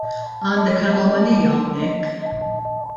Għandek anomalija hawnhekk.